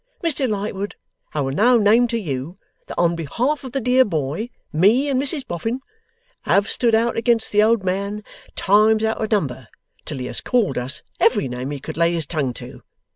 Mr Lightwood, I will now name to you, that on behalf of the poor dear boy, me and Mrs Boffin have stood out against the old man times out of number, till he has called us every name he could lay his tongue to.